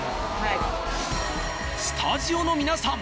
スタジオの皆さん。